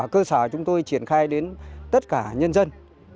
cơ sở chúng tôi triển khai đến tất cả nhân dân